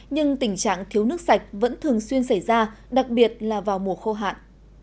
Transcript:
nhưng tình trạng thiếu nước sạch vẫn thường xuyên xảy ra đặc biệt là vào mùa khô hạn